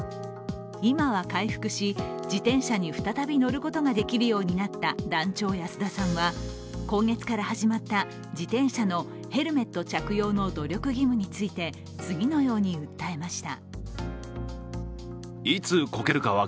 今は回復し、自転車に再び乗ることができるようになった団長安田さんは今月から始まった自転車のヘルメット着用の努力義務について、次のように訴えました。